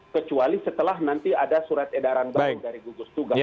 kecuali setelah nanti ada surat edaran baru dari gugus tugas